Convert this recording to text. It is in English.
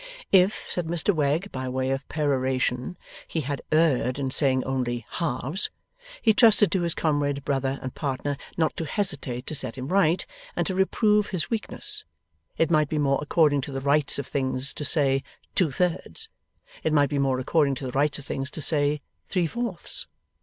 If, said Mr Wegg by way of peroration, he had erred in saying only 'Halves!' he trusted to his comrade, brother, and partner not to hesitate to set him right, and to reprove his weakness. It might be more according to the rights of things, to say Two thirds; it might be more according to the rights of things, to say Three fourths.